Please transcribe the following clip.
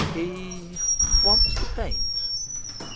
"He wants to paint."